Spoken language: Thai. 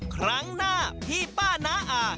ครั้งหน้าพี่ป้าน้าอา